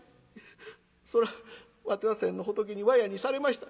そらわては先の仏にわやにされました。